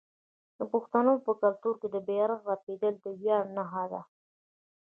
د پښتنو په کلتور کې د بیرغ رپیدل د ویاړ نښه ده.